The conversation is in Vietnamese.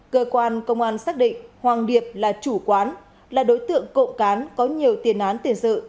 cơ quan công an xác định hoàng điệp là chủ quán là đối tượng cộng cán có nhiều tiền án tiền sự